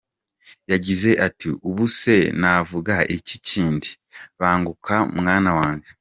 Yagize ati “Ubuse navuga iki kindi! Banguka mwana wanjye.